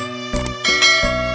gak ada apa apa